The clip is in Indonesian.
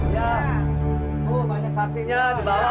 iya tuh banyak saksinya dibawa